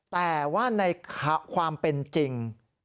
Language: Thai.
แต่ว่าในความเป็นจริง